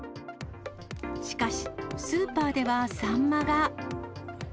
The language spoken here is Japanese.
しかし、スーパーではサンマが。